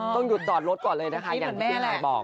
ต้องหยุดจอดรถก่อนเลยนะคะอย่างที่คุณยายบอก